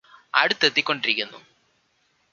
അടുത്തെത്തിക്കൊണ്ടിരിക്കുന്നു